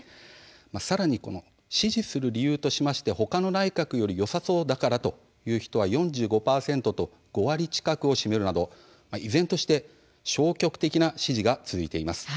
さらに支持する理由として他の内閣よりよさそうだからという人は４５％と５割近くを占めるなど依然として消極的な姿勢が続いています。